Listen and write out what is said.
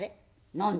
「何で？」。